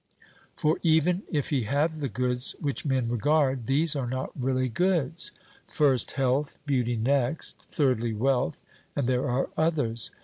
For even if he have the goods which men regard, these are not really goods: first health; beauty next; thirdly wealth; and there are others.